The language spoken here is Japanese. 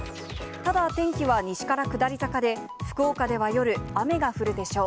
ただ、天気は西から下り坂で、福岡では夜、雨が降るでしょう。